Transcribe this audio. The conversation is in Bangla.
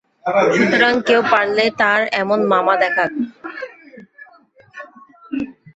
সুতরাং কেউ পারলে তার এমন মামা দেখাক।